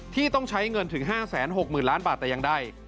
ต้องใช้เงินถึง๕๖๐๐๐ล้านบาทแต่ยังได้